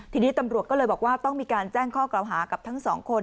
ทีนี้ตำรวจก็เลยบอกว่าต้องมีการแจ้งข้อกล่าวหากับทั้งสองคน